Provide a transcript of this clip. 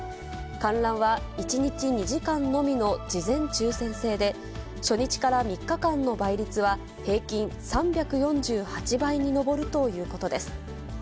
観覧は１日２時間のみの事前抽せん制で、初日から３日間の倍率は平均３４８倍に上るということです。